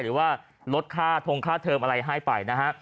หรือว่าลดค่าทงค่าเทอมอะไรให้ไปนะฮะ